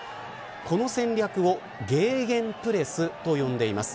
この戦略をゲーゲンプレスと呼んでいます。